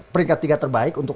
peringkat tiga terbaik untuk